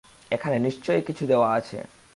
এখানে নিশ্চয় কিছু দেওয়া আছে।